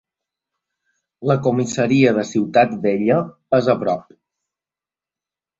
La comissaria de Ciutat Vella és a prop.